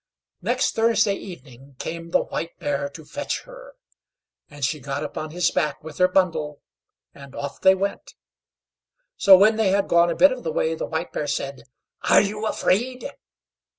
] Next Thursday evening came the White Bear to fetch her, and she got upon his back with her bundle, and off they went. So, when they had gone a bit of the way, the White Bear said: "Are you afraid?"